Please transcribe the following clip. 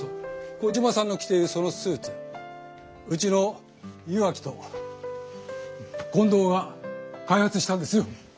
コジマさんの着ているそのスーツうちの岩城と近藤が開発したんですよ。